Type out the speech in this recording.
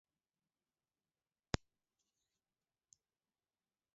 — Такшым йолынат поктен шуын кертам ыле, — туныктышын шомакше дене тичмашнек келша Кугу Ануш.